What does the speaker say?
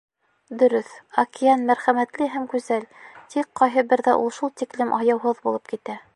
Дөрөҫ, океан мәрхәмәтле һәм гүзәл, тик ҡайһы берҙә ул шул тиклем аяуһыҙ булып китә.